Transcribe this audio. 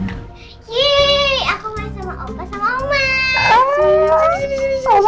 yeay aku mau main sama opa sama mama